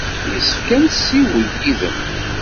Yessefk ad nessiwel yid-m.